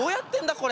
これ。